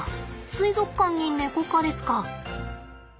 水族館にネコ科ですか。